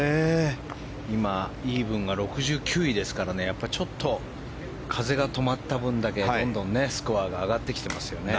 今、イーブンが６９位ですからやっぱりちょっと風が止まった分だけどんどんスコアが上がってきてますよね。